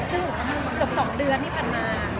ซึ่งเกือบ๒เดือนที่ผ่านมา